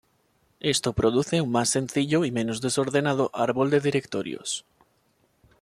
Esto produce un más sencillo y menos desordenado árbol de directorios.